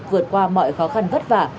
vượt qua mọi khó khăn vất vả